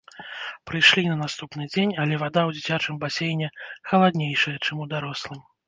Прыйшлі на наступны дзень, але вада ў дзіцячым басейне халаднейшая, чым у дарослым.